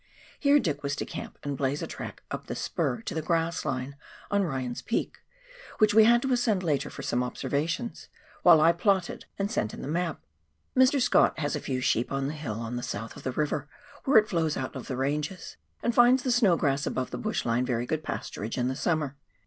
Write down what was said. Here Dick was to camp and blaze a track up a spur to the grass line on Ryan's Peak — which we had to ascend later for some observations — while I plotted and sent in the map. Mr. Scott has a few sheep on the hill on the south of the river, where it flows out of the ranges, and finds the snow grass above the bush line very good pasturage in the summer.